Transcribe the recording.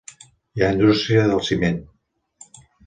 Hi ha indústria del ciment.